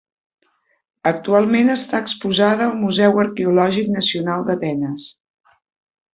Actualment està exposada al Museu Arqueològic Nacional d'Atenes.